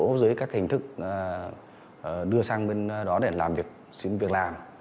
đối với các hình thức đưa sang bên đó để làm việc xin việc làm